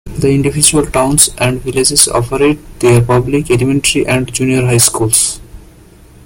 The individual towns and villages operate their public elementary and junior high schools.